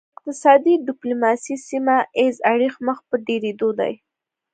د اقتصادي ډیپلوماسي سیمه ایز اړخ مخ په ډیریدو دی